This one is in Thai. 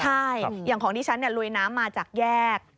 ใช่อย่างของดิฉันลุยน้ำมาจากแยก